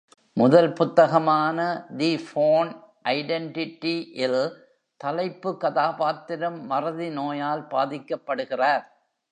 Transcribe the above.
முதல் புத்தகமான "the Bourne identity" இல், தலைப்பு கதாபாத்திரம் மறதி நோயால் பாதிக்கப்படுகிறார்.